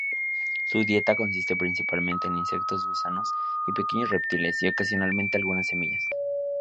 Su dieta consiste principalmente en insectos, gusanos y pequeños reptiles y ocasionalmente algunas semillas.